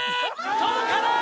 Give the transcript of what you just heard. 届かない！